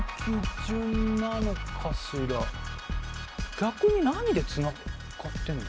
逆に何でつながってるんだ。